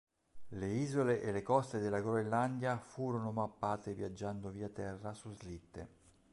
Le isole e le coste della Groenlandia furono mappate viaggiando via terra su slitte.